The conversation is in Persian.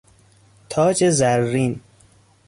تاج زرین